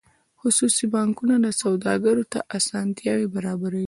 خصوصي بانکونه سوداګرو ته اسانتیاوې برابروي